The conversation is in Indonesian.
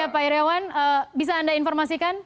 pak iryawan bisa anda informasikan